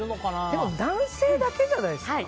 でも、男性だけじゃないですか。